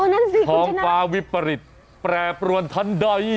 อ๋อนั่นสิคุณชนะฟ้าวิปริตแปรปรวนทันใด